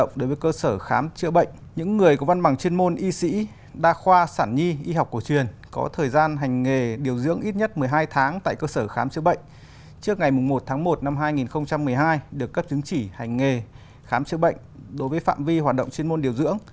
trước ngày một tháng một năm hai nghìn một mươi hai được cấp chứng chỉ hành nghề khám chữa bệnh đối với phạm vi hoạt động chuyên môn điều dưỡng